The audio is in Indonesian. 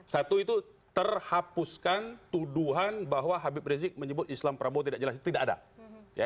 satu itu terhapuskan tuduhan bahwa habib rizik menyebut islam prabowo tidak jelas itu tidak ada